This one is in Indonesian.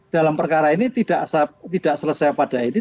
dalam perkara ini tidak selesai pada ini